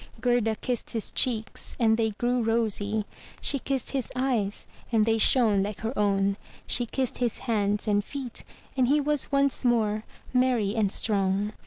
Gerda kissed his cheeks, and they grew rosy; she kissed his eyes, and they shone like her own; she kissed his hands and feet, and he was once more merry and strong.